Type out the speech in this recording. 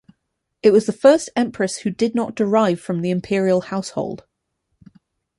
It was the first empress who did not derive from the imperial household.